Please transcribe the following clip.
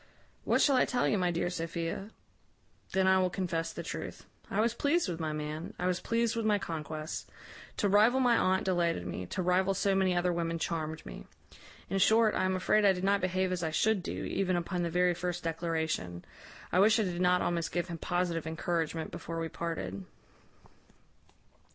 What shall I tell you, my dear Sophia? Then I will confess the truth. I was pleased with my man. I was pleased with my conquest. To rival my aunt delighted me; to rival so many other women charmed me. In short, I am afraid I did not behave as I should do, even upon the very first declaration I wish I did not almost give him positive encouragement before we parted.